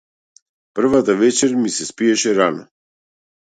Првата вечер ми се спиеше рано.